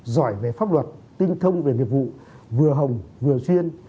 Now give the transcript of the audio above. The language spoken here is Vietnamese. giỏi về pháp luật tinh thông về nghiệp vụ vừa hồng vừa chuyên